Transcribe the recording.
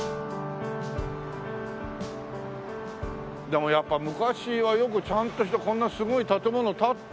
でもやっぱ昔はよくちゃんとしたこんなすごい建物建てたよね。